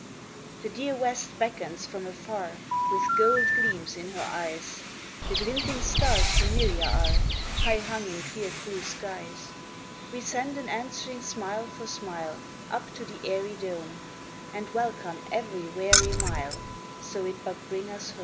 The dear West beckons from afar With gold gleams in her eyes, The glinting stars familiar are High hung in clear cool skies ; We send an answering smile for smile Up to the airy dome, And welcome every weary mile So it but bring us home.